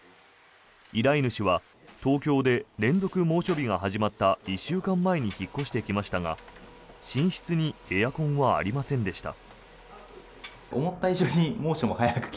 依頼主は東京で連続猛暑日が始まった１週間前に引っ越してきましたが寝室にエアコンはありませんでした。